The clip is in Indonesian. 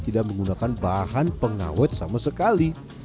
tidak menggunakan bahan pengawet sama sekali